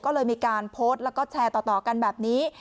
ก็เลยมีการโพสต์แล้วก็แชร์ต่อกันแบบนี้